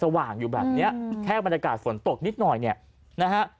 ว่างอยู่แบบเนี้ยแค่บรรยากาศฝนตกนิดหน่อยเนี่ยนะฮะ